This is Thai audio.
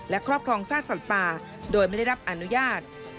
และครอบครองซากสัตว์ป่าโดยไม่ได้รับอนุญาต